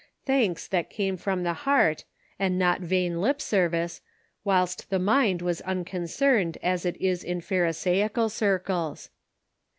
Thanks that came from the heart ; and not vain lip service, whilst the mind was un concerned as it is in pharisaical circles.